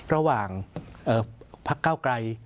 ระหว่างพักเก้าไกร